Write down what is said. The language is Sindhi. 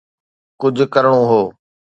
ڪجهه ڪرڻو هو.